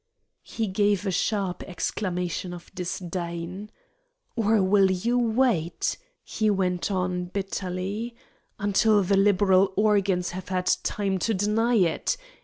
He gave a sharp exclamation of disdain. "Or will you wait," he went on, bitterly, "until the Liberal organs have had time to deny it?